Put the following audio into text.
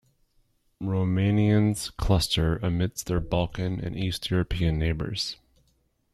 Romanians cluster amidst their Balkan and East European neighbours.